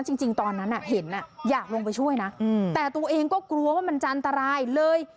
จริงตอนนั้นเห็นอยากลงไปช่วยนะแต่ตัวเองก็กลัวว่ามันจะอันตรายเลย